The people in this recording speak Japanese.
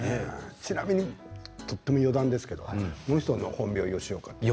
ちなみにとても余談ですけどこの人の本名は吉岡といいます。